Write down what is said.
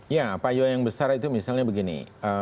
ya payung yang besar itu misalnya begini